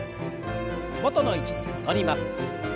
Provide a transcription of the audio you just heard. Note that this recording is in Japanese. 元の位置に戻ります。